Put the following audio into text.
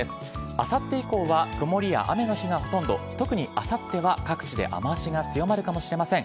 あさって以降は、曇りや雨の日がほとんど、特にあさっては、各地で雨足が強まるかもしれません。